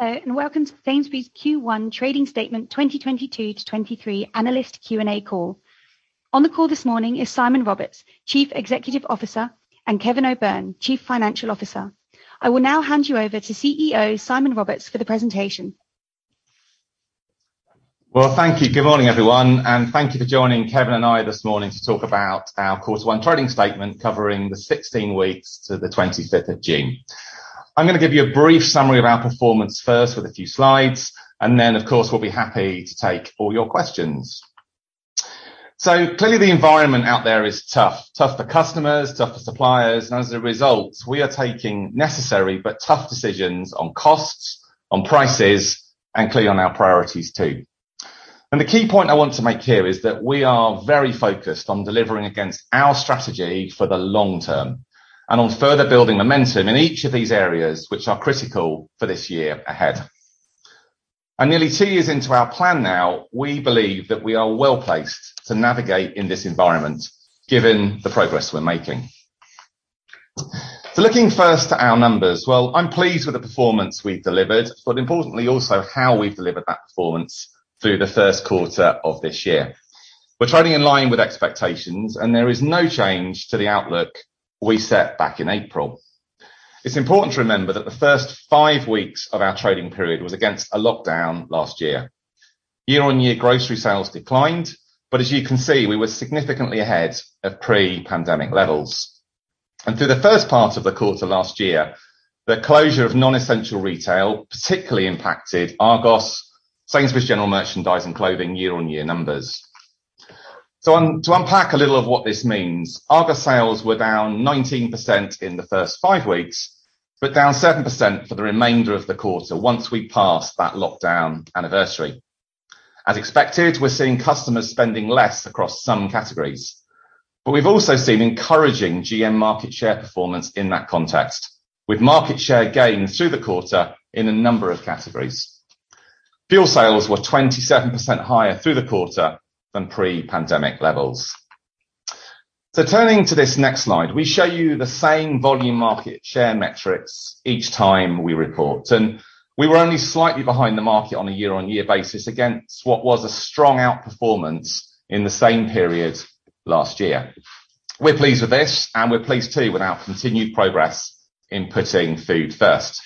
Hello, and welcome to Sainsbury's Q1 trading statement 2022-2023 analyst Q&A call. On the call this morning is Simon Roberts, Chief Executive Officer, and Kevin O'Byrne, Chief Financial Officer. I will now hand you over to CEO Simon Roberts for the presentation. Well, thank you. Good morning, everyone. Thank you for joining Kevin and I this morning to talk about our quarter one trading statement covering the 16 weeks to the 25th of June. I'm gonna give you a brief summary of our performance first with a few slides, and then, of course, we'll be happy to take all your questions. Clearly the environment out there is tough. Tough for customers, tough for suppliers, and as a result, we are taking necessary but tough decisions on costs, on prices, and clearly on our priorities too. The key point I want to make here is that we are very focused on delivering against our strategy for the long term and on further building momentum in each of these areas which are critical for this year ahead. Nearly two years into our plan now, we believe that we are well-placed to navigate in this environment given the progress we're making. Looking first at our numbers. Well, I'm pleased with the performance we've delivered, but importantly also how we've delivered that performance through the first quarter of this year. We're trading in line with expectations, and there is no change to the outlook we set back in April. It's important to remember that the first five weeks of our trading period was against a lockdown last year. Year-on-year grocery sales declined, but as you can see, we were significantly ahead of pre-pandemic levels. Through the first part of the quarter last year, the closure of non-essential retail particularly impacted Argos, Sainsbury's general merchandise and clothing year-on-year numbers. To unpack a little of what this means, Argos sales were down 19% in the first five weeks, but down 7% for the remainder of the quarter once we passed that lockdown anniversary. As expected, we're seeing customers spending less across some categories. But we've also seen encouraging GM market share performance in that context, with market share gains through the quarter in a number of categories. Fuel sales were 27% higher through the quarter than pre-pandemic levels. Turning to this next slide, we show you the same volume market share metrics each time we report. We were only slightly behind the market on a year-on-year basis against what was a strong outperformance in the same period last year. We're pleased with this, and we're pleased too with our continued progress in putting food first.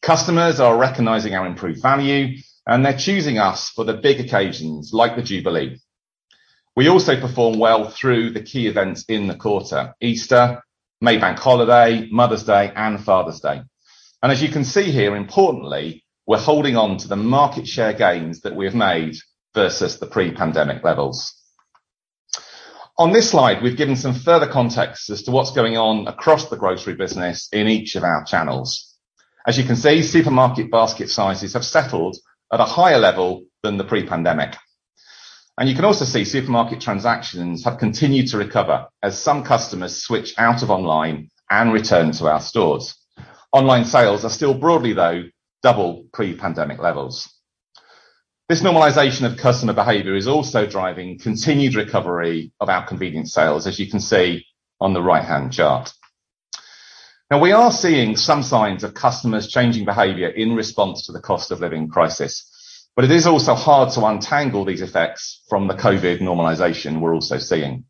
Customers are recognizing our improved value, and they're choosing us for the big occasions like the Jubilee. We also performed well through the key events in the quarter, Easter, May Bank Holiday, Mother's Day, and Father's Day. As you can see here, importantly, we're holding on to the market share gains that we have made versus the pre-pandemic levels. On this slide, we've given some further context as to what's going on across the grocery business in each of our channels. As you can see, supermarket basket sizes have settled at a higher level than the pre-pandemic. You can also see supermarket transactions have continued to recover as some customers switch out of online and return to our stores. Online sales are still broadly, though, double pre-pandemic levels. This normalization of customer behavior is also driving continued recovery of our convenience sales, as you can see on the right-hand chart. Now, we are seeing some signs of customers changing behavior in response to the cost of living crisis, but it is also hard to untangle these effects from the COVID normalization we're also seeing.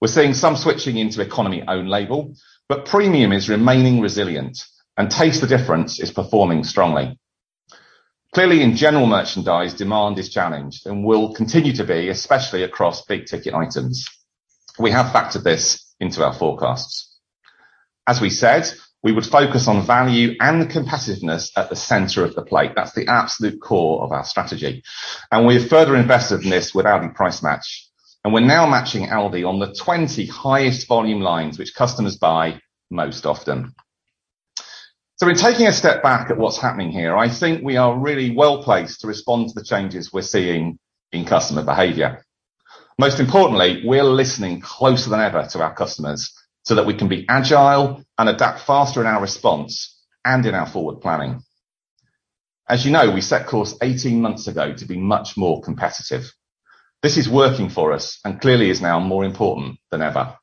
We're seeing some switching into economy own label, but premium is remaining resilient, and Taste the Difference is performing strongly. Clearly, in general merchandise, demand is challenged and will continue to be, especially across big-ticket items. We have factored this into our forecasts. As we said, we would focus on value and competitiveness at the center of the plate. That's the absolute core of our strategy. We have further invested in this with Aldi Price Match, and we're now matching Aldi on the 20 highest volume lines which customers buy most often. In taking a step back at what's happening here, I think we are really well-placed to respond to the changes we're seeing in customer behavior. Most importantly, we're listening closer than ever to our customers so that we can be agile and adapt faster in our response and in our forward planning. As you know, we set course 18 months ago to be much more competitive. This is working for us and clearly is now more important than ever.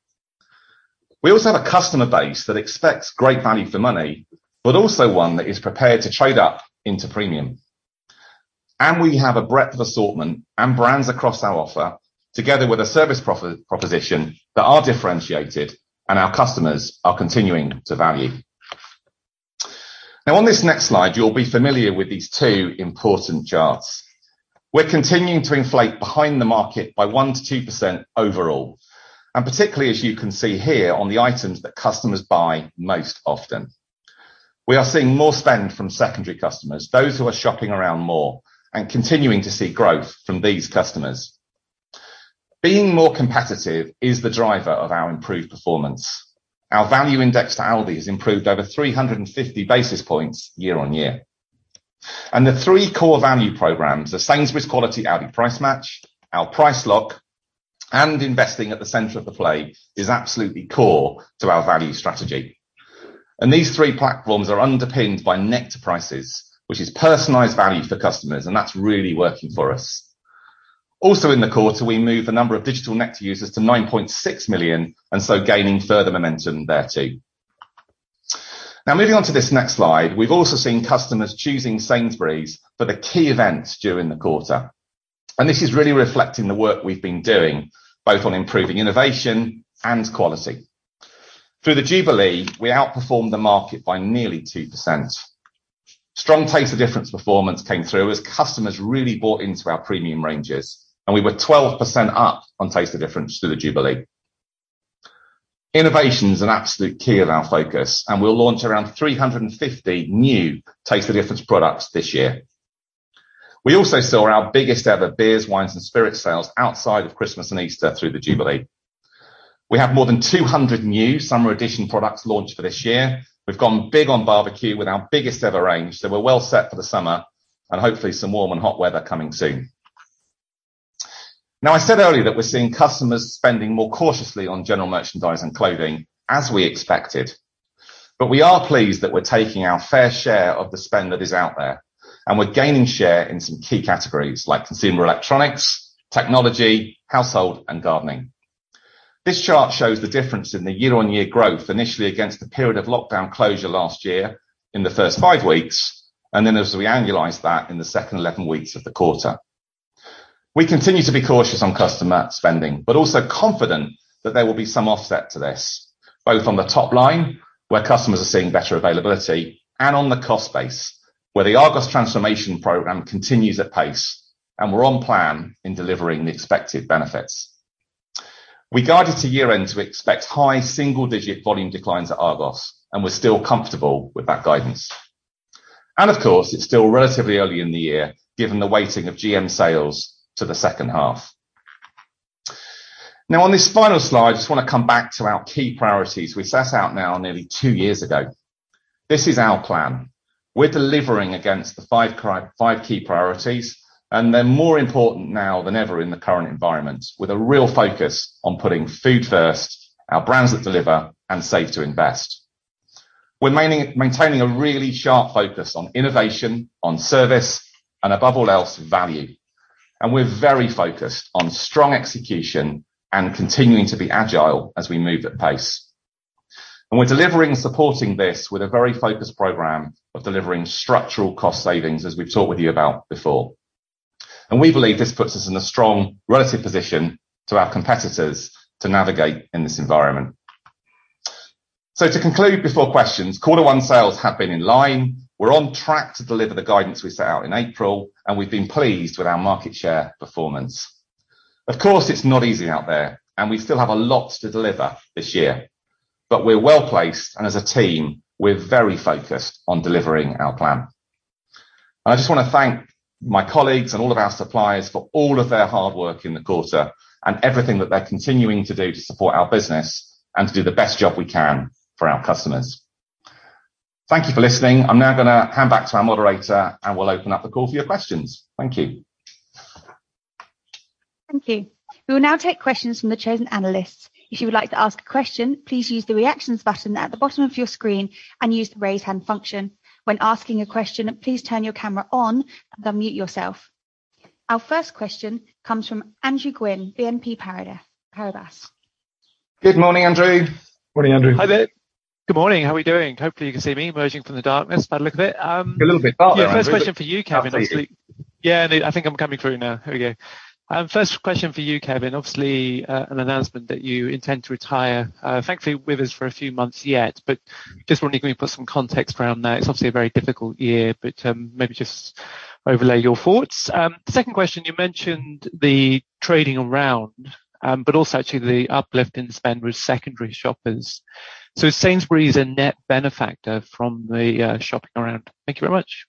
We also have a customer base that expects great value for money, but also one that is prepared to trade up into premium. We have a breadth of assortment and brands across our offer, together with a service proposition that are differentiated and our customers are continuing to value. Now on this next slide, you'll be familiar with these two important charts. We're continuing to inflate behind the market by 1%-2% overall, and particularly, as you can see here, on the items that customers buy most often. We are seeing more spend from secondary customers, those who are shopping around more, and continuing to see growth from these customers. Being more competitive is the driver of our improved performance. Our value index to Aldi has improved over 350 basis points year-on-year. The three core value programs, the Sainsbury's Quality, Aldi Price Match, our Price Lock, and investing at the center of the plate is absolutely core to our value strategy. These three platforms are underpinned by Nectar Prices, which is personalized value for customers, and that's really working for us. Also in the quarter, we moved the number of digital Nectar users to 9.6 million, and so gaining further momentum there, too. Now moving on to this next slide, we've also seen customers choosing Sainsbury's for the key events during the quarter. This is really reflecting the work we've been doing, both on improving innovation and quality. Through the Jubilee, we outperformed the market by nearly 2%. Strong Taste the Difference performance came through as customers really bought into our premium ranges, and we were 12% up on Taste the Difference through the Jubilee. Innovation is an absolute key of our focus, and we'll launch around 350 new Taste the Difference products this year. We also saw our biggest ever beers, wines and spirits sales outside of Christmas and Easter through the Jubilee. We have more than 200 new summer edition products launched for this year. We've gone big on barbecue with our biggest ever range, so we're well set for the summer and hopefully some warm and hot weather coming soon. Now, I said earlier that we're seeing customers spending more cautiously on general merchandise and clothing, as we expected. We are pleased that we're taking our fair share of the spend that is out there, and we're gaining share in some key categories like consumer electronics, technology, household and gardening. This chart shows the difference in the year-on-year growth, initially against the period of lockdown closure last year in the first five weeks, and then as we annualize that in the second 11 weeks of the quarter. We continue to be cautious on customer spending, but also confident that there will be some offset to this, both on the top line, where customers are seeing better availability, and on the cost base, where the Argos transformation program continues at pace, and we're on plan in delivering the expected benefits. We guided to year-end to expect high single-digit volume declines at Argos, and we're still comfortable with that guidance. Of course, it's still relatively early in the year, given the weighting of GM sales to the second half. Now on this final slide, I just want to come back to our key priorities we set out now nearly two years ago. This is our plan. We're delivering against the five key priorities, and they're more important now than ever in the current environment, with a real focus on putting food first, our brands that deliver, and save to invest. We're maintaining a really sharp focus on innovation, on service, and above all else, value. We're very focused on strong execution and continuing to be agile as we move at pace. We're delivering and supporting this with a very focused program of delivering structural cost savings, as we've talked with you about before. We believe this puts us in a strong relative position to our competitors to navigate in this environment. To conclude before questions, quarter one sales have been in line. We're on track to deliver the guidance we set out in April, and we've been pleased with our market share performance. Of course, it’s not easy out there, and we still have a lot to deliver this year, but we’re well-placed, and as a team, we’re very focused on delivering our plan. I just wanna thank my colleagues and all of our suppliers for all of their hard work in the quarter and everything that they’re continuing to do to support our business and to do the best job we can for our customers. Thank you for listening. I’m now gonna hand back to our moderator, and we’ll open up the call for your questions. Thank you. Thank you. We will now take questions from the chosen analysts. If you would like to ask a question, please use the reactions button at the bottom of your screen and use the raise hand function. When asking a question, please turn your camera on and unmute yourself. Our first question comes from Andrew Gwynn, BNP Paribas. Good morning, Andrew. Morning, Andrew. Hi there. Good morning. How are we doing? Hopefully, you can see me emerging from the darkness by the look of it. A little bit. First question for you, Kevin. Obviously. Absolutely. Yeah, I think I'm coming through now. Here we go. First question for you, Kevin. Obviously, an announcement that you intend to retire, thankfully with us for a few months yet, but just wondering, can you put some context around that? It's obviously a very difficult year, but maybe just overlay your thoughts. Second question, you mentioned the trading around, but also actually the uplift in spend with secondary shoppers. Sainsbury's a net benefactor from the shopping around. Thank you very much.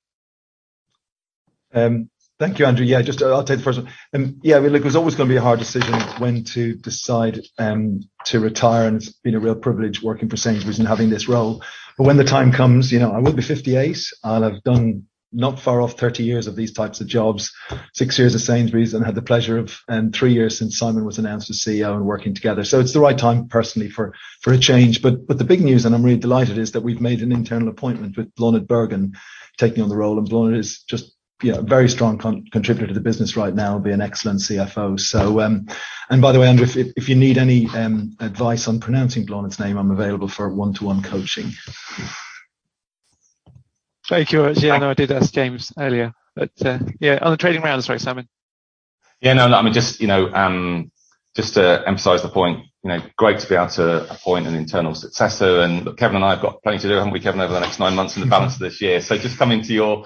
Thank you, Andrew. Yeah, just I'll take the first one. Yeah, I mean, look, it was always gonna be a hard decision when to decide to retire, and it's been a real privilege working for Sainsbury's and having this role. When the time comes, you know, I will be 58. I'll have done not far off 30 years of these types of jobs, six years at Sainsbury's and had the pleasure of three years since Simon was announced as CEO and working together. It's the right time personally for a change. The big news, and I'm really delighted, is that we've made an internal appointment with Bláthnaid Bergin taking on the role. Bláthnaid is just, you know, a very strong contributor to the business right now, will be an excellent CFO. By the way, Andrew, if you need any advice on pronouncing Bláthnaid's name, I'm available for one-to-one coaching. Thank you very much. Yeah, no, I did ask James earlier, but, yeah, on the trading round. Sorry, Simon. Yeah, no. I mean, just, you know, just to emphasize the point, you know, great to be able to appoint an internal successor. Look, Kevin and I have got plenty to do, haven't we, Kevin, over the next nine months in the balance of this year. Just coming to your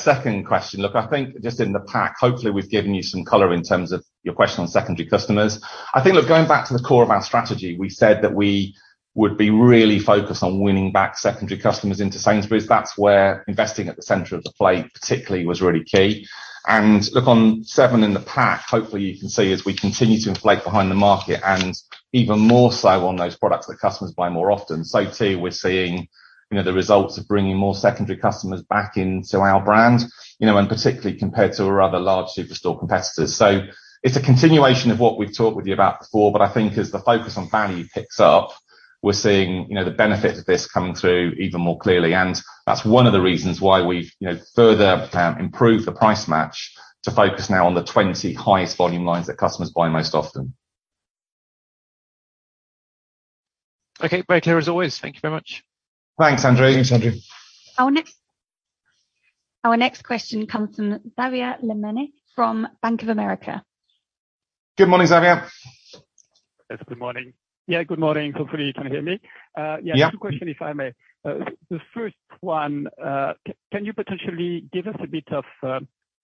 second question. Look, I think just in the pack, hopefully, we've given you some color in terms of your question on secondary customers. I think, look, going back to the core of our strategy, we said that we would be really focused on winning back secondary customers into Sainsbury's. That's where investing at the center of the plate particularly was really key. Look, on 7 in the pack, hopefully, you can see as we continue to inflate behind the market and even more so on those products that customers buy more often. Too, we're seeing, you know, the results of bringing more secondary customers back into our brand, you know, and particularly compared to our other large superstore competitors. It's a continuation of what we've talked with you about before, but I think as the focus on value picks up. We're seeing, you know, the benefits of this coming through even more clearly, and that's one of the reasons why we've, you know, further, improved the price match to focus now on the 20 highest volume lines that customers buy most often. Okay. Very clear as always. Thank you very much. Thanks, Andrew. Our next question comes from Xavier Le Mené from Bank of America. Good morning, Xavier. Yes. Good morning. Yeah, good morning. Hopefully you can hear me. Yeah. Two questions, if I may. The first one, can you potentially give us a bit of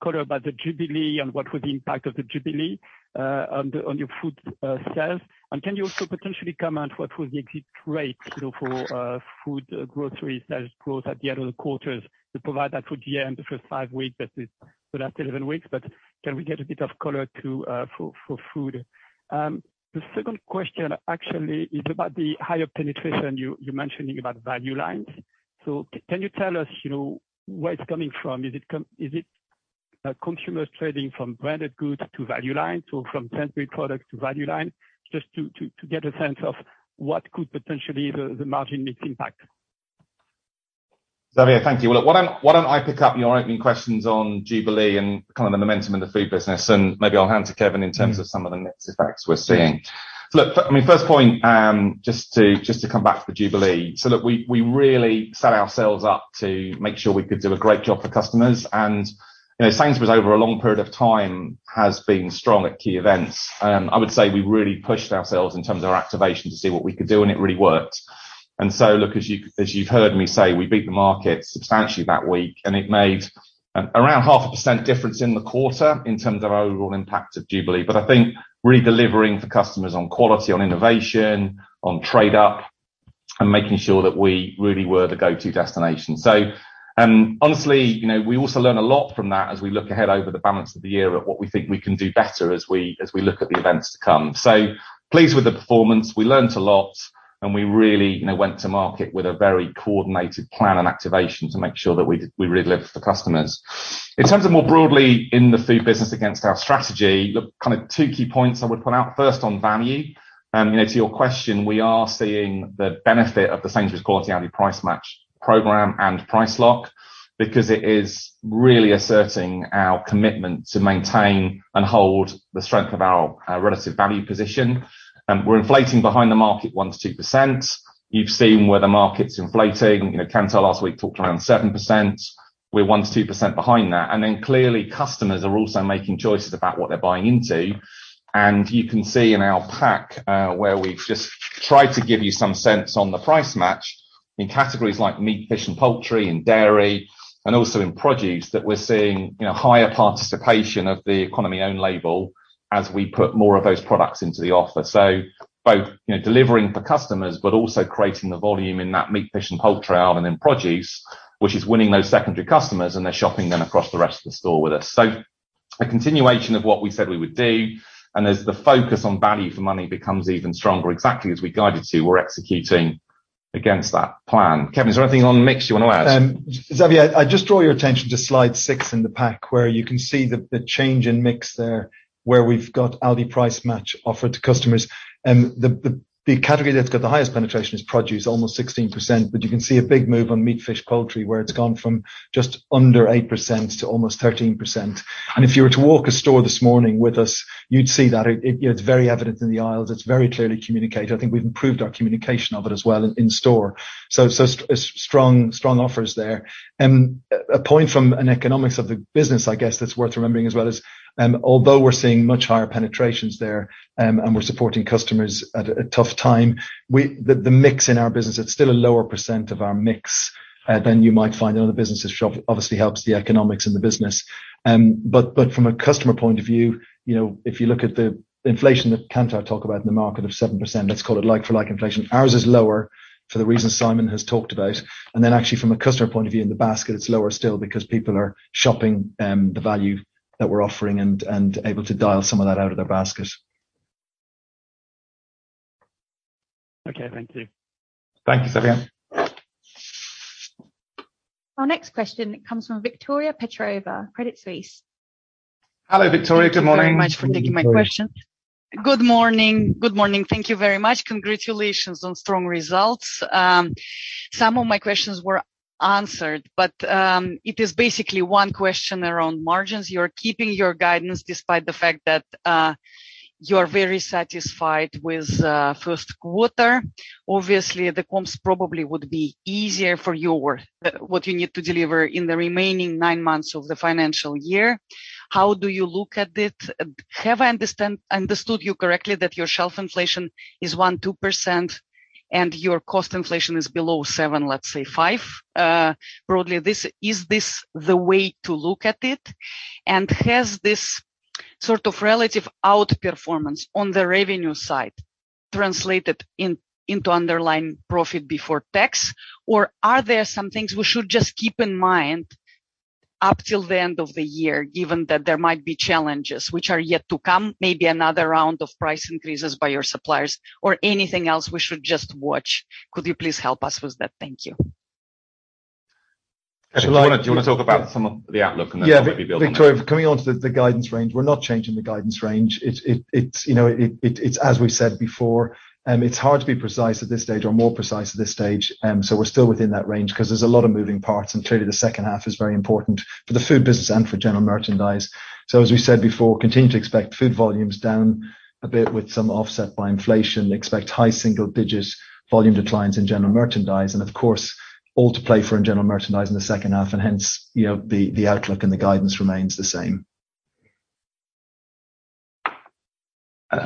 color about the Jubilee and what was the impact of the Jubilee on your food sales? Can you also potentially comment what was the exit rate, you know, for food groceries that grew at the end of the quarters to provide that for the year in the first five weeks as the LFL 11 weeks? Can we get a bit of color for food? The second question actually is about the higher penetration you mentioned about value lines. Can you tell us, you know, where it's coming from? Is it consumers trading from branded goods to value lines or from premium products to value line? Just to get a sense of what could potentially the margin mix impact. Xavier, thank you. Well, look, why don't I pick up your opening questions on Jubilee and kind of the momentum in the food business, and maybe I'll hand to Kevin O'Byrne in terms of some of the mix effects we're seeing. Look, I mean, first point, just to come back to the Jubilee. Look, we really set ourselves up to make sure we could do a great job for customers. You know, Sainsbury's over a long period of time has been strong at key events. I would say we really pushed ourselves in terms of our activation to see what we could do, and it really worked. Look, as you've heard me say, we beat the market substantially that week, and it made around 0.5% difference in the quarter in terms of overall impact of Jubilee. I think really delivering for customers on quality, on innovation, on trade up, and making sure that we really were the go-to destination. Honestly, you know, we also learned a lot from that as we look ahead over the balance of the year at what we think we can do better as we look at the events to come. Pleased with the performance. We learned a lot and we really, you know, went to market with a very coordinated plan and activation to make sure that we really lived for the customers. In terms of more broadly in the food business against our strategy, look, kinda two key points I would point out. First, on value, you know, to your question, we are seeing the benefit of the Sainsbury's Quality Aldi Price Match program and Price Lock because it is really asserting our commitment to maintain and hold the strength of our relative value position. We're inflating behind the market 1%-2%. You've seen where the market's inflating. You know, Kantar last week talked around 7%. We're 1%-2% behind that. Clearly, customers are also making choices about what they're buying into. You can see in our pack, where we've just tried to give you some sense on the price match in categories like meat, fish and poultry and dairy, and also in produce, that we're seeing, you know, higher participation of the Economy own label as we put more of those products into the offer. Both, you know, delivering for customers, but also creating the volume in that meat, fish and poultry aisle and in produce, which is winning those secondary customers, and they're shopping then across the rest of the store with us. A continuation of what we said we would do, and as the focus on value for money becomes even stronger, exactly as we guided to, we're executing against that plan. Kevin, is there anything on the mix you wanna add? Xavier, I'd just draw your attention to slide six in the pack, where you can see the change in mix there, where we've got Aldi Price Match offered to customers. The category that's got the highest penetration is produce, almost 16%, but you can see a big move on meat, fish, poultry, where it's gone from just under 8% to almost 13%. If you were to walk a store this morning with us, you'd see that it. You know, it's very evident in the aisles. It's very clearly communicated. I think we've improved our communication of it as well in store. Strong offers there. A point from an economics of the business, I guess, that's worth remembering as well is, although we're seeing much higher penetrations there, and we're supporting customers at a tough time, the mix in our business, it's still a lower percent of our mix, than you might find in other businesses, which obviously helps the economics in the business. From a customer point of view, you know, if you look at the inflation that Kantar talks about in the market of 7%, let's call it like-for-like inflation, ours is lower for the reasons Simon has talked about. Actually from a customer point of view, in the basket, it's lower still because people are shopping the value that we're offering and able to dial some of that out of their basket. Okay. Thank you. Thank you, Xavier. Our next question comes from Victoria Petrova, Credit Suisse. Hello, Victoria. Good morning. Thank you very much for taking my question. Good morning. Good morning. Thank you very much. Congratulations on strong results. Some of my questions were answered, but it is basically one question around margins. You're keeping your guidance despite the fact that you are very satisfied with first quarter. Obviously, the comps probably would be easier for what you need to deliver in the remaining nine months of the financial year. How do you look at it? Have I understood you correctly that your shelf inflation is 1%-2% and your cost inflation is below 7%, let's say 5%, broadly? Is this the way to look at it? Has this sort of relative outperformance on the revenue side translated into underlying profit before tax? Are there some things we should just keep in mind up till the end of the year, given that there might be challenges which are yet to come, maybe another round of price increases by your suppliers or anything else we should just watch? Could you please help us with that? Thank you. Do you want to talk about some of the outlook and then maybe build on that? Yeah. Victoria, coming on to the guidance range, we're not changing the guidance range. It's you know, it's as we've said before, it's hard to be precise at this stage or more precise at this stage. We're still within that range 'cause there's a lot of moving parts, and clearly the second half is very important for the food business and for general merchandise. As we said before, continue to expect food volumes down a bit with some offset by inflation. Expect high single digits volume declines in general merchandise and of course, all to play for in general merchandise in the second half and hence, you know, the outlook and the guidance remains the same.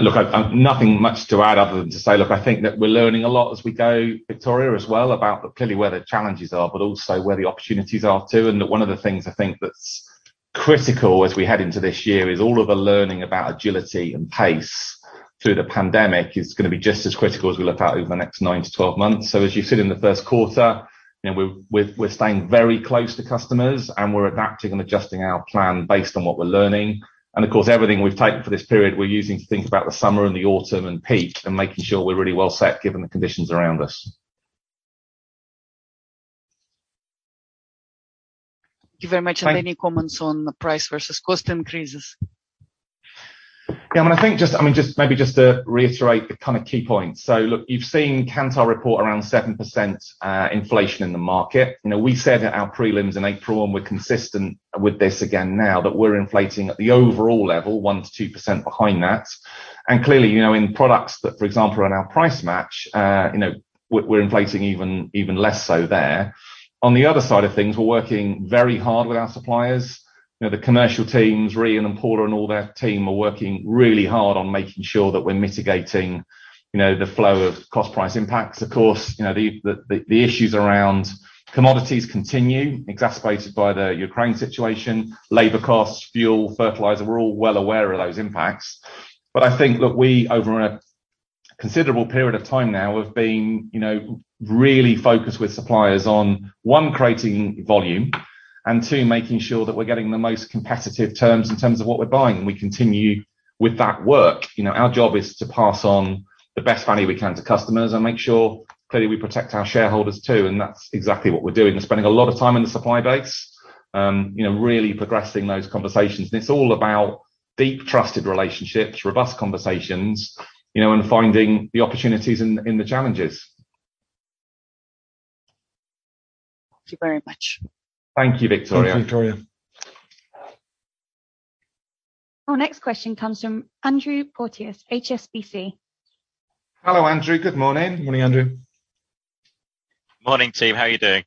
Look, I've nothing much to add other than to say, look, I think that we're learning a lot as we go, Victoria, as well about clearly where the challenges are, but also where the opportunities are, too. That one of the things I think that's critical as we head into this year is all of the learning about agility and pace through the pandemic is gonna be just as critical as we look out over the next 9-12 months. As you sit in the first quarter, you know, we're staying very close to customers and we're adapting and adjusting our plan based on what we're learning. Of course, everything we've taken for this period, we're using to think about the summer and the autumn and peak and making sure we're really well set, given the conditions around us. Thank you very much. Any comments on the price versus cost increases? Yeah. I mean, I think just maybe to reiterate the kind of key points. Look, you've seen Kantar report around 7% inflation in the market. You know, we said at our prelims in April, and we're consistent with this again now, that we're inflating at the overall level, 1%-2% behind that. Clearly, you know, in products that, for example, are in our price match, you know, we're inflating even less so there. On the other side of things, we're working very hard with our suppliers. You know, the commercial teams, Rhian and Paula and all their team are working really hard on making sure that we're mitigating, you know, the flow of cost price impacts. Of course, you know, the issues around commodities continue, exacerbated by the Ukraine situation, labor costs, fuel, fertilizer. We're all well aware of those impacts. I think, look, we over a considerable period of time now have been, you know, really focused with suppliers on, one, creating volume and two, making sure that we're getting the most competitive terms in terms of what we're buying, and we continue with that work. You know, our job is to pass on the best value we can to customers and make sure, clearly, we protect our shareholders, too. That's exactly what we're doing. We're spending a lot of time in the supply base, you know, really progressing those conversations. It's all about deep, trusted relationships, robust conversations, you know, and finding the opportunities in the challenges. Thank you very much. Thank you, Victoria. Thank you, Victoria. Our next question comes from Andrew Porteous, HSBC. Hello, Andrew. Good morning. Morning, Andrew. Morning, team. How are you doing?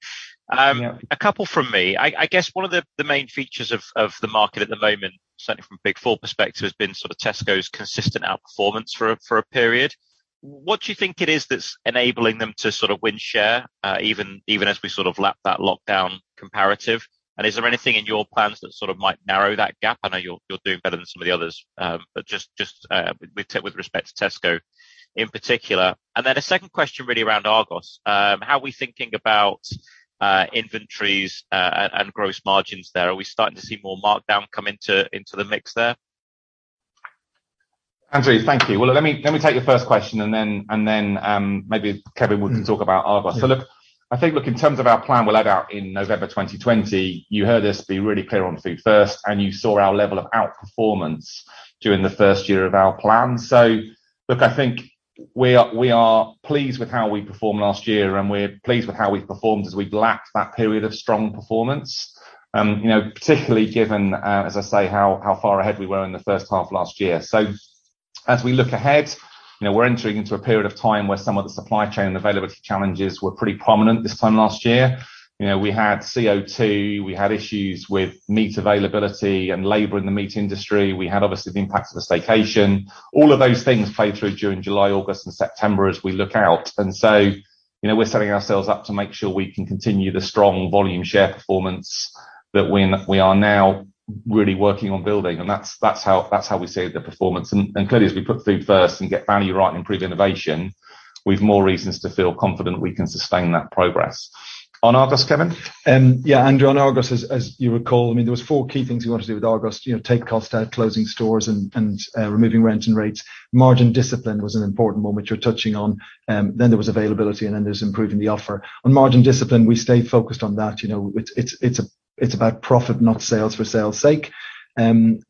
Yeah. A couple from me. I guess one of the main features of the market at the moment, certainly from a big four perspective, has been sort of Tesco's consistent outperformance for a period. What do you think it is that's enabling them to sort of win share, even as we sort of lap that lockdown comp? Is there anything in your plans that sort of might narrow that gap? I know you're doing better than some of the others, but just with respect to Tesco in particular. A second question really around Argos. How are we thinking about inventories and gross margins there? Are we starting to see more markdown come into the mix there? Andrew, thank you. Well, let me take your first question and then maybe Kevin could talk about Argos. Mm-hmm. Yeah. Look, I think, look, in terms of our plan we laid out in November 2020, you heard us be really clear on food first, and you saw our level of outperformance during the first year of our plan. Look, I think we are pleased with how we performed last year, and we're pleased with how we've performed as we've lapped that period of strong performance. You know, particularly given, as I say, how far ahead we were in the first half of last year. As we look ahead, you know, we're entering into a period of time where some of the supply chain and availability challenges were pretty prominent this time last year. You know, we had CO2, we had issues with meat availability and labor in the meat industry. We had, obviously, the impact of the staycation. All of those things play through during July, August, and September as we look out. You know, we're setting ourselves up to make sure we can continue the strong volume share performance that we are now really working on building, and that's how we see the performance. Clearly, as we put food first and get value right and improve innovation, we've more reasons to feel confident we can sustain that progress. On Argos, Kevin? Yeah. Andrew, on Argos, as you recall, I mean, there were four key things we wanted to do with Argos. You know, take costs out, closing stores and removing rent and rates. Margin discipline was an important one which you're touching on. There was availability, and then there's improving the offer. On margin discipline, we stayed focused on that. You know, it's about profit, not sales for sales sake. We'll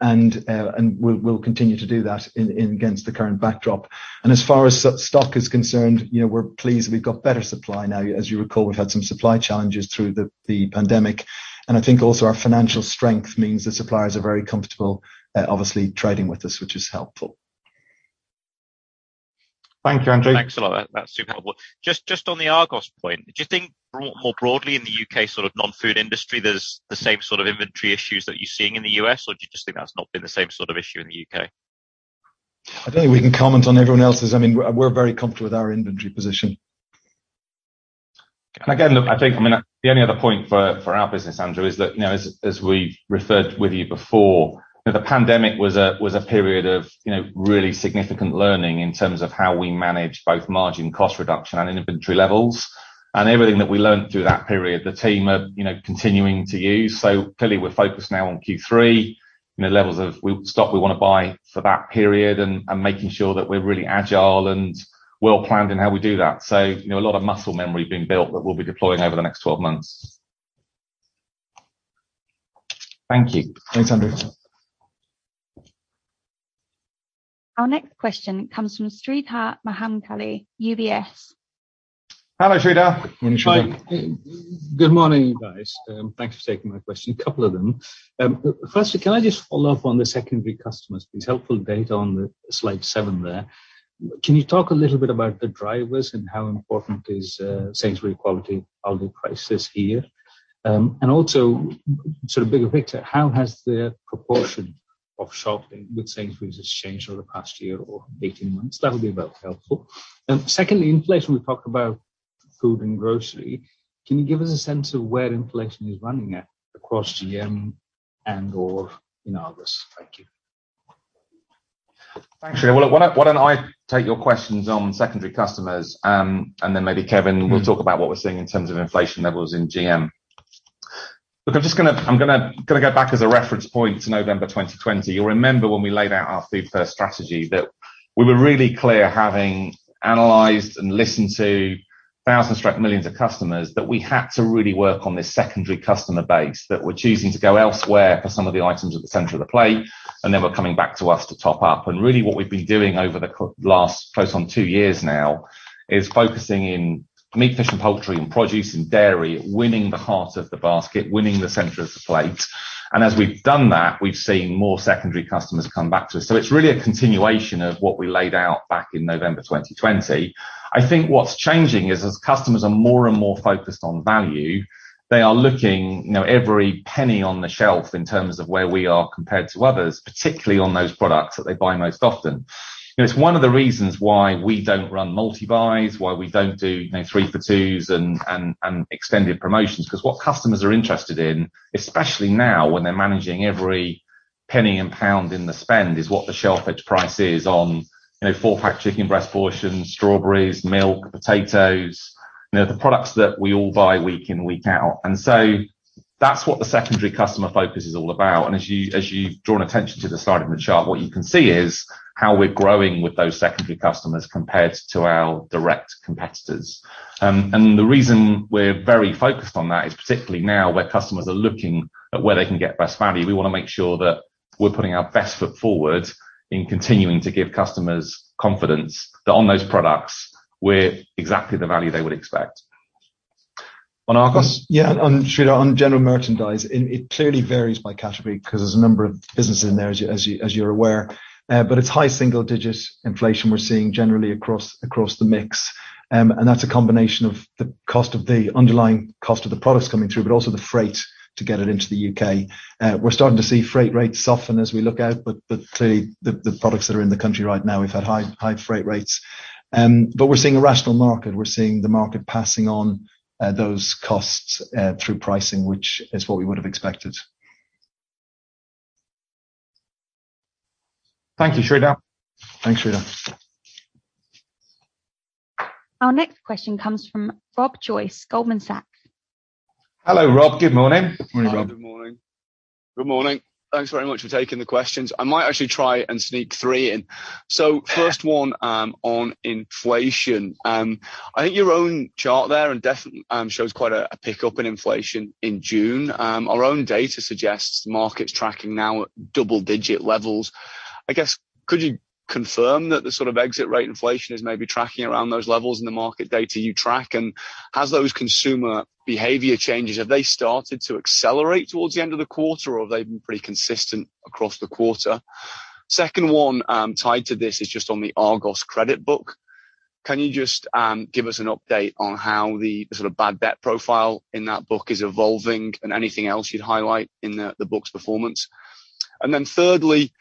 continue to do that against the current backdrop. As far as stock is concerned, you know, we're pleased we've got better supply now. As you recall, we've had some supply challenges through the pandemic. I think also our financial strength means the suppliers are very comfortable, obviously trading with us, which is helpful. Thank you, Andrew. Thanks a lot. That's super helpful. Just on the Argos point, do you think more broadly in the U.K. sort of non-food industry, there's the same sort of inventory issues that you're seeing in the U.S., or do you just think that's not been the same sort of issue in the U.K.? I don't think we can comment on everyone else's. I mean, we're very comfortable with our inventory position. Again, look, I think, I mean, the only other point for our business, Andrew, is that, you know, as we've referred with you before, the pandemic was a period of, you know, really significant learning in terms of how we manage both margin cost reduction and inventory levels. Everything that we learned through that period, the team are, you know, continuing to use. Clearly we're focused now on Q3, you know, levels of stock we wanna buy for that period and making sure that we're really agile and well planned in how we do that. You know, a lot of muscle memory being built that we'll be deploying over the next 12 months. Thank you. Thanks, Andrew. Our next question comes from Sreedhar Mahamkali, UBS. Hello, Sreedhar. Morning, Sreedhar. Good morning, guys. Thanks for taking my question. A couple of them. Firstly, can I just follow up on the secondary customers, please? Helpful data on the slide seven there. Can you talk a little bit about the drivers and how important is Sainsbury's quality of the prices here? And also sort of bigger picture, how has the proportion of shopping with Sainsbury's has changed over the past year or 18 months? That would be helpful. Secondly, inflation. We've talked about food and grocery. Can you give us a sense of where inflation is running at across GM and/or in Argos? Thank you. Thanks, Sreedhar. Well, why don't I take your questions on secondary customers, and then maybe Kevin will talk about what we're seeing in terms of inflation levels in GM. Look, I'm just gonna go back as a reference point to November 2020. You'll remember when we laid out our food first strategy that we were really clear, having analyzed and listened to thousands, if not millions of customers, that we had to really work on this secondary customer base that were choosing to go elsewhere for some of the items at the center of the plate, and then were coming back to us to top up. Really what we've been doing over the last close to two years now is focusing in meat, fish and poultry and produce and dairy, winning the heart of the basket, winning the center of the plate. As we've done that, we've seen more secondary customers come back to us. It's really a continuation of what we laid out back in November 2020. I think what's changing is as customers are more and more focused on value, they are looking, you know, every penny on the shelf in terms of where we are compared to others, particularly on those products that they buy most often. You know, it's one of the reasons why we don't run multi-buys, why we don't do, you know, three for twos and extended promotions. Because what customers are interested in, especially now when they're managing every penny and pound in the spend, is what the shelf edge price is on, you know, four-pack chicken breast portions, strawberries, milk, potatoes, you know, the products that we all buy week in, week out. That's what the secondary customer focus is all about. As you, as you've drawn attention to this slide in the chart, what you can see is how we're growing with those secondary customers compared to our direct competitors. The reason we're very focused on that is particularly now where customers are looking at where they can get best value, we wanna make sure that we're putting our best foot forward in continuing to give customers confidence that on those products we're exactly the value they would expect. On Argos? On Sreedhar, on general merchandise, it clearly varies by category 'cause there's a number of businesses in there as you're aware. It's high single-digit inflation we're seeing generally across the mix. That's a combination of the underlying cost of the products coming through, but also the freight to get it into the U.K. We're starting to see freight rates soften as we look out, but clearly the products that are in the country right now, we've had high freight rates. We're seeing a rational market. We're seeing the market passing on those costs through pricing, which is what we would've expected. Thank you, Sreedhar. Thanks, Sreedhar. Our next question comes from Rob Joyce, Goldman Sachs. Hello, Rob. Good morning. Morning, Rob. Good morning. Good morning. Thanks very much for taking the questions. I might actually try and sneak three in. First one, on inflation. I think your own chart there, and definitely, shows quite a pickup in inflation in June. Our own data suggests market's tracking now at double-digit levels. I guess, could you confirm that the sort of exit rate inflation is maybe tracking around those levels in the market data you track? And has those consumer behavior changes, have they started to accelerate towards the end of the quarter or have they been pretty consistent across the quarter? Second one, tied to this is just on the Argos credit book. Can you just give us an update on how the sort of bad debt profile in that book is evolving and anything else you'd highlight in the book's performance? Thirdly,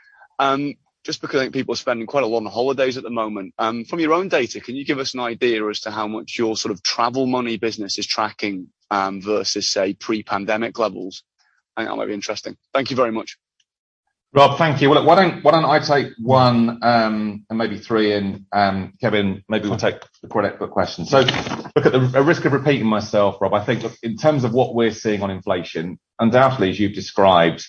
just because I think people are spending quite a lot on holidays at the moment, from your own data, can you give us an idea as to how much your sort of travel money business is tracking, versus, say, pre-pandemic levels? I think that might be interesting. Thank you very much. Rob, thank you. Well, why don't I take one and maybe three, and Kevin, maybe we'll take the credit book question. At risk of repeating myself, Rob, I think look, in terms of what we're seeing on inflation, undoubtedly, as you've described,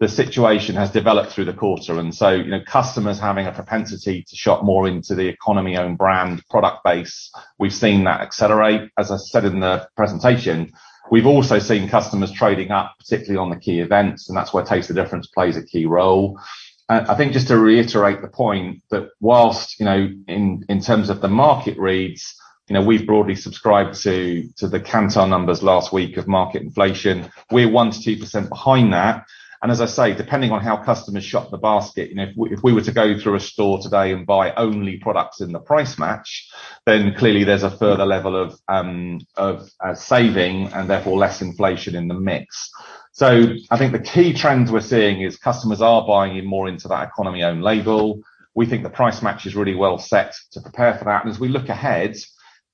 the situation has developed through the quarter. You know, customers having a propensity to shop more into the economy own-brand product base, we've seen that accelerate. As I said in the presentation, we've also seen customers trading up, particularly on the key events, and that's where Taste the Difference plays a key role. I think just to reiterate the point that while, you know, in terms of the market reads, you know, we've broadly subscribed to the Kantar numbers last week of market inflation. We're 1%-2% behind that, and as I say, depending on how customers shop the basket, you know, if we were to go through a store today and buy only products in the price match, then clearly there's a further level of saving and therefore less inflation in the mix. I think the key trends we're seeing is customers are buying in more into that economy owned label. We think the price match is really well set to prepare for that. As we look ahead,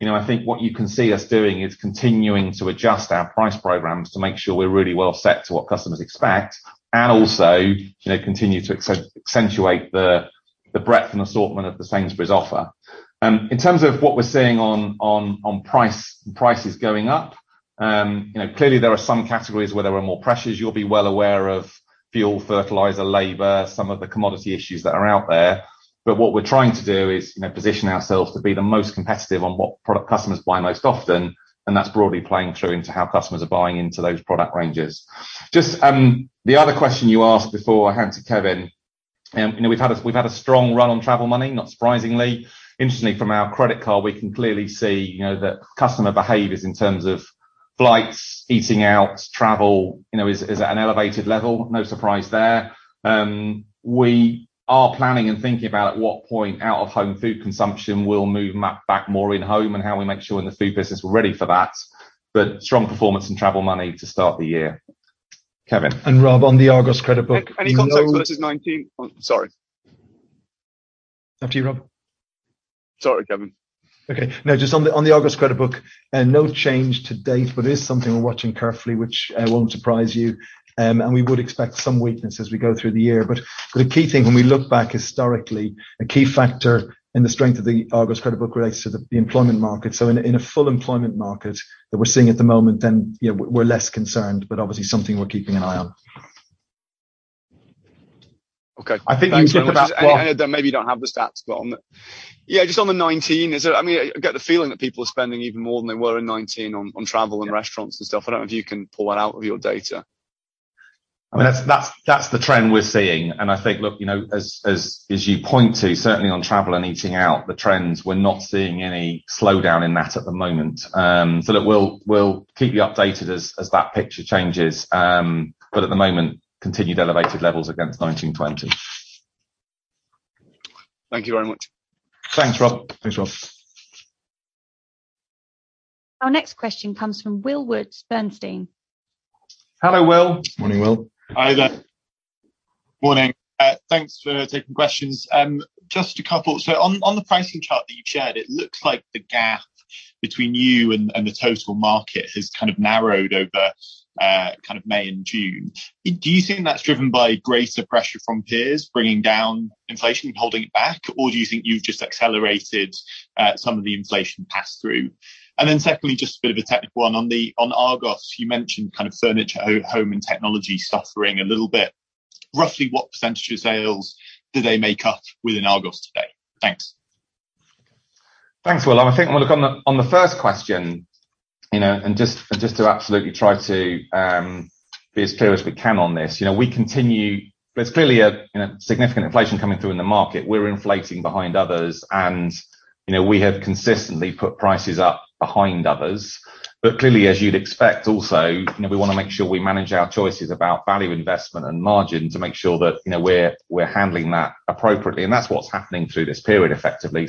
you know, I think what you can see us doing is continuing to adjust our price programs to make sure we're really well set to what customers expect and also, you know, continue to accentuate the breadth and assortment of the Sainsbury's offer. In terms of what we're seeing on price, prices going up, you know, clearly there are some categories where there are more pressures. You'll be well aware of fuel, fertilizer, labor, some of the commodity issues that are out there. What we're trying to do is, you know, position ourselves to be the most competitive on what product customers buy most often, and that's broadly playing through into how customers are buying into those product ranges. Just, the other question you asked before I hand to Kevin, you know, we've had a strong run on travel money, not surprisingly. Interestingly, from our credit card, we can clearly see, you know, that customer behaviors in terms of flights, eating out, travel, you know, is at an elevated level. No surprise there. We are planning and thinking about at what point out-of-home food consumption will move back more in-home and how we make sure in the food business we're ready for that. Strong performance in travel money to start the year. Kevin. Rob, on the Argos credit book- Oh, sorry. After you, Rob. Sorry, Kevin. Okay. No, just on the Argos credit book, no change to date, but it is something we're watching carefully, which won't surprise you. We would expect some weakness as we go through the year. A key thing when we look back historically, a key factor in the strength of the Argos credit book relates to the employment market. In a full employment market that we're seeing at the moment, then you know, we're less concerned, but obviously something we're keeping an eye on. Okay. I think you can. Thanks, Rob. I know that maybe you don't have the stats, but Yeah, just on the 2019, is it. I mean, I get the feeling that people are spending even more than they were in 2019 on travel and restaurants and stuff. I don't know if you can pull that out of your data. I mean, that's the trend we're seeing. I think, look, you know, as you point to, certainly on travel and eating out, the trends. We're not seeing any slowdown in that at the moment. Look, we'll keep you updated as that picture changes. At the moment, continued elevated levels against 2019-2020. Thank you very much. Thanks, Rob. Thanks, Rob. Our next question comes from Will Woods, Bernstein. Hello, Will. Morning, Will. Hi there. Morning. Thanks for taking questions. Just a couple. On the pricing chart that you've shared, it looks like the gap between you and the total market has kind of narrowed over kind of May and June. Do you think that's driven by greater pressure from peers bringing down inflation and holding it back? Or do you think you've just accelerated some of the inflation pass-through? Secondly, just a bit of a technical one. On Argos, you mentioned kind of furniture, home and technology suffering a little bit. Roughly what percentage of sales do they make up within Argos today? Thanks. Thanks, Will. I think I'm gonna look on the first question, you know, and just to absolutely try to be as clear as we can on this. You know, there's clearly a significant inflation coming through in the market. We're inflating behind others and, you know, we have consistently put prices up behind others. But clearly, as you'd expect also, you know, we wanna make sure we manage our choices about value investment and margin to make sure that, you know, we're handling that appropriately. And that's what's happening through this period effectively.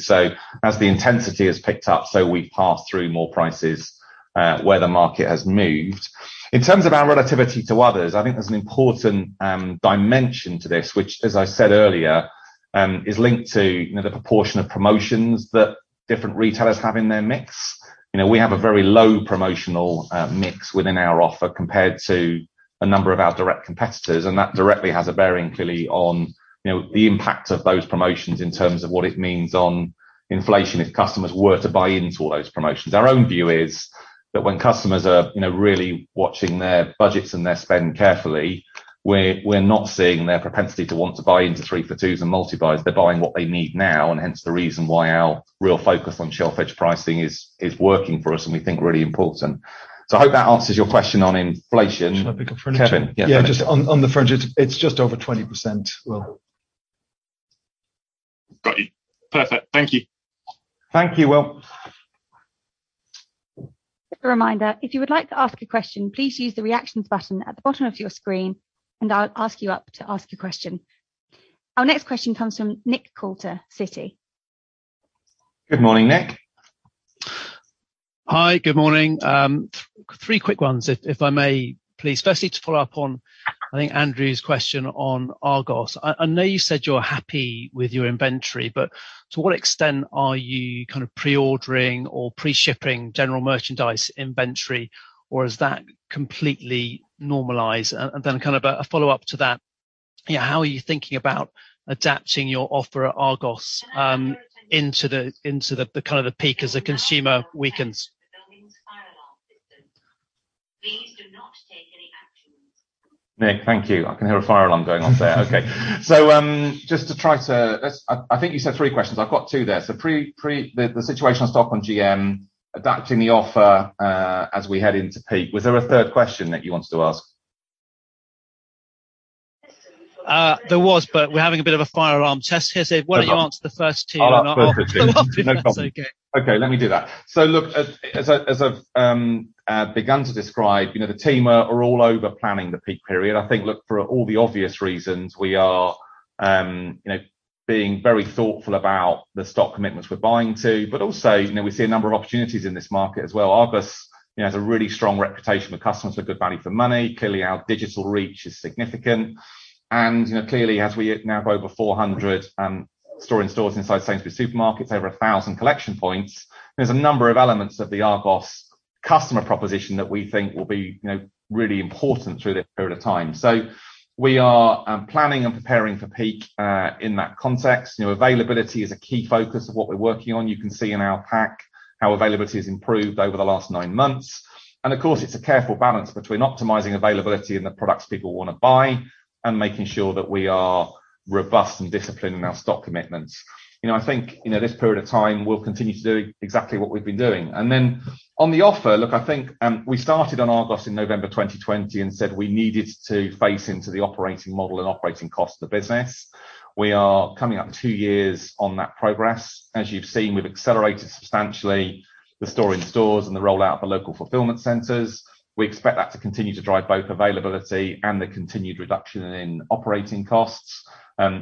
As the intensity has picked up, we pass through more prices where the market has moved. In terms of our relativity to others, I think there's an important dimension to this, which as I said earlier, is linked to, you know, the proportion of promotions that different retailers have in their mix. You know, we have a very low promotional mix within our offer compared to a number of our direct competitors, and that directly has a bearing clearly on, you know, the impact of those promotions in terms of what it means on inflation if customers were to buy into all those promotions. Our own view is that when customers are, you know, really watching their budgets and their spend carefully, we're not seeing their propensity to want to buy into three for twos and multi-buys. They're buying what they need now, and hence the reason why our real focus on shelf-edge pricing is working for us and we think really important. I hope that answers your question on inflation. Should I pick up furniture? Kevin? Yeah. Yeah, just on the furniture, it's just over 20%, Will. Got you. Perfect. Thank you. Thank you, Will. Just a reminder, if you would like to ask a question, please use the Reactions button at the bottom of your screen, and I'll ask you to ask your question. Our next question comes from Nick Coulter, Citi. Good morning, Nick. Hi. Good morning. Three quick ones if I may, please. Firstly, to follow up on, I think, Andrew's question on Argos. I know you said you're happy with your inventory, but to what extent are you kind of pre-ordering or pre-shipping general merchandise inventory, or is that completely normalized? Then kind of a follow-up to that, how are you thinking about adapting your offer at Argos into the kind of peak as the consumer weakens? Nick, thank you. I can hear a fire alarm going off there. Okay. I think you said three questions. I've got two there. The situation on stock on GM, adapting the offer, as we head into peak. Was there a third question that you wanted to ask? There was, but we're having a bit of a fire alarm test here. No problem. Why don't you answer the first two and I'll- I'll answer the first two. That's okay. No problem. Okay, let me do that. Look, as I've begun to describe, you know, the team are all over-planning the peak period. I think, look, for all the obvious reasons, we are, you know, being very thoughtful about the stock commitments we're buying, too, but also, you know, we see a number of opportunities in this market as well. Argos, you know, has a really strong reputation with customers for good value for money. Clearly, our digital reach is significant. You know, clearly, as we now have over 400 store-in-stores inside Sainsbury's supermarkets, over 1,000 collection points, there's a number of elements of the Argos customer proposition that we think will be, you know, really important through this period of time. We are planning and preparing for peak in that context. You know, availability is a key focus of what we're working on. You can see in our pack how availability has improved over the last nine months. Of course, it's a careful balance between optimizing availability and the products people wanna buy. And making sure that we are robust and disciplined in our stock commitments. You know, I think, you know, this period of time we'll continue to do exactly what we've been doing. Then on the offer, look, I think, we started on Argos in November 2020 and said we needed to face into the operating model and operating cost of the business. We are coming up two years on that progress. As you've seen, we've accelerated substantially the store-in-stores and the rollout of the local fulfillment centers. We expect that to continue to drive both availability and the continued reduction in operating costs.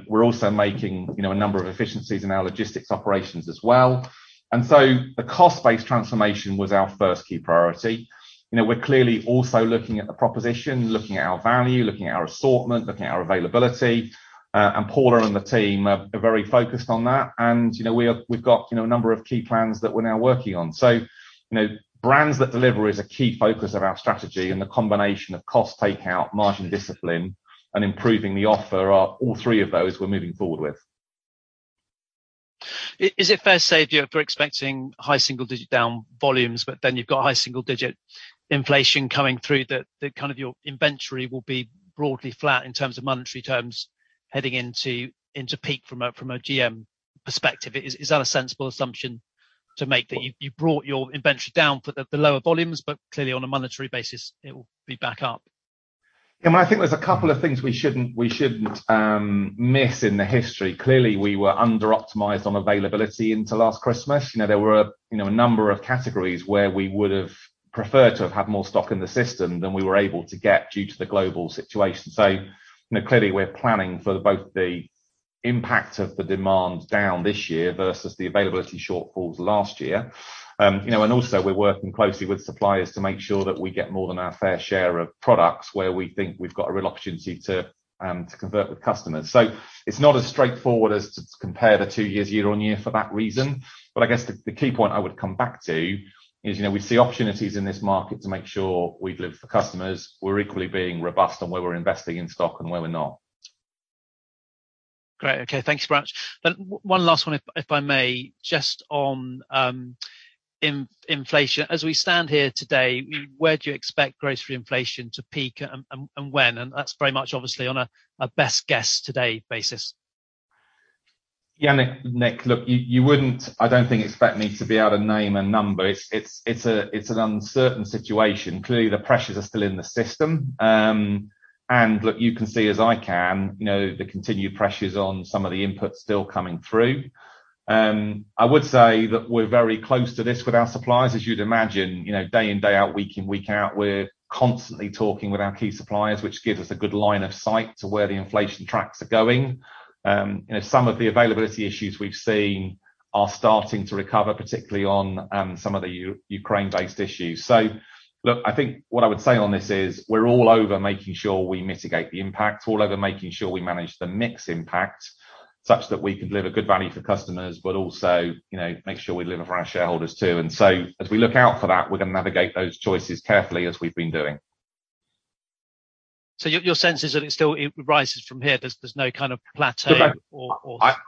We're also making, you know, a number of efficiencies in our logistics operations as well. The cost-based transformation was our first key priority. You know, we're clearly also looking at the proposition, looking at our value, looking at our assortment, looking at our availability. Paula and the team are very focused on that. You know, we've got, you know, a number of key plans that we're now working on. You know, brands that deliver is a key focus of our strategy and the combination of cost takeout, margin discipline, and improving the offer are all three of those we're moving forward with. Is it fair to say if you're expecting high single digit down volumes, but then you've got high single digit inflation coming through the kind of your inventory will be broadly flat in terms of monetary terms heading into peak from a GM perspective. Is that a sensible assumption to make that you've brought your inventory down for the lower volumes, but clearly on a monetary basis it will be back up? Yeah, I think there's a couple of things we shouldn't miss in the history. Clearly, we were under-optimized on availability into last Christmas. You know, there were you know, a number of categories where we would've preferred to have had more stock in the system than we were able to get due to the global situation. You know, clearly we're planning for both the impact of the demand down this year versus the availability shortfalls last year. You know, and also we're working closely with suppliers to make sure that we get more than our fair share of products where we think we've got a real opportunity to convert with customers. It's not as straightforward as to compare the two years year on year for that reason. I guess the key point I would come back to is, you know, we see opportunities in this market to make sure we deliver for customers. We're equally being robust on where we're investing in stock and where we're not. Great. Okay. Thanks very much. One last one, if I may, just on inflation. As we stand here today, where do you expect grocery inflation to peak and when? That's very much obviously on a best guess today basis. Yeah. Nick, look, you wouldn't, I don't think, expect me to be able to name a number. It's an uncertain situation. Clearly, the pressures are still in the system. Look, you can see as I can, you know, the continued pressures on some of the inputs still coming through. I would say that we're very close to this with our suppliers, as you'd imagine. You know, day in, day out, week in, week out, we're constantly talking with our key suppliers, which gives us a good line of sight to where the inflation tracks are going. You know, some of the availability issues we've seen are starting to recover, particularly on some of the Ukraine based issues. Look, I think what I would say on this is we're all over making sure we mitigate the impact, all over making sure we manage the mix impact such that we can deliver good value for customers, but also, you know, make sure we deliver for our shareholders too. As we look out for that, we're gonna navigate those choices carefully as we've been doing. Your sense is that it still rises from here. There's no kind of plateau or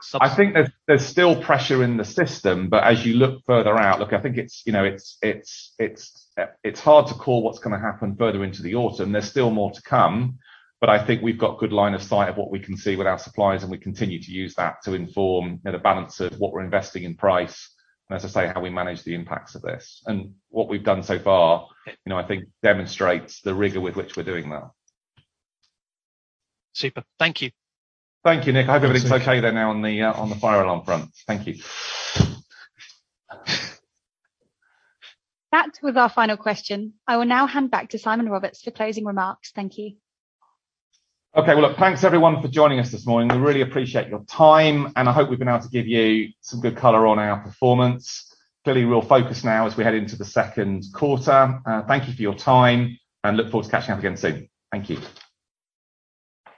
subsiding. Look, I think there's still pressure in the system, but as you look further out, I think it's, you know, it's hard to call what's gonna happen further into the autumn. There's still more to come, but I think we've got good line of sight of what we can see with our suppliers, and we continue to use that to inform, you know, the balance of what we're investing in price and as I say, how we manage the impacts of this. What we've done so far, you know, I think demonstrates the rigor with which we're doing that. Super. Thank you. Thank you. Nick, I hope everything's okay there now on the fire alarm front. Thank you. That was our final question. I will now hand back to Simon Roberts for closing remarks. Thank you. Okay. Well, look, thanks everyone for joining us this morning. We really appreciate your time, and I hope we've been able to give you some good color on our performance. Clearly we'll focus now as we head into the second quarter. Thank you for your time and look forward to catching up again soon. Thank you.